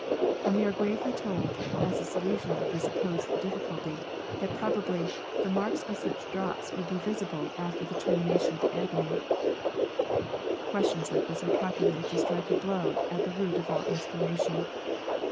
And we are gravely told, as a solution of the supposed difficulty, that probably " the marks of such drops would be visible after the termination of the agony I" Questions like this are calculated to strike a blow at the root of all inspiration.